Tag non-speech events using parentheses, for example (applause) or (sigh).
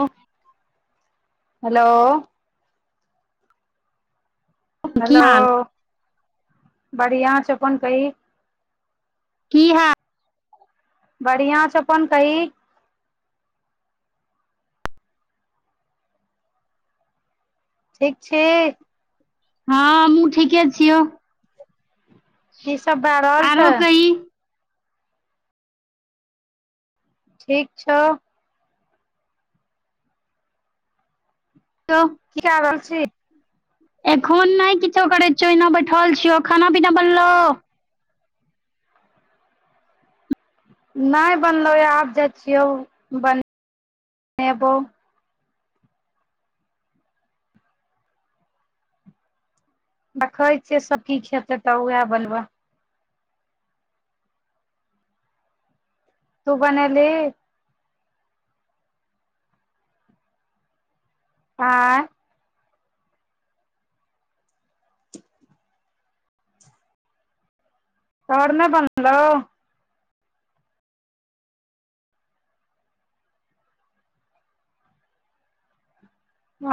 Of. Hello. की hello हाल बढ़ियां छै अपन कही। की हाल। बढ़ियां छै, अपन कही? ठीक छी। ह हमहुँ ठीके छियौ, की सब भए रहल छै आरो कही ठीक छौ। तो की (unintelligible) रहल छी? एखोन नै किछो करै छियौ, ओहिना बैठल छियौ, खाना पीना बनलो। नाय बनलौ यऽ आब जाइ छियौ बन नेबो। देखै छियै सब की खेतै तऽ उएह बनबै। तू बनेलही। आँय। तोहर नै बनलौउ। अ।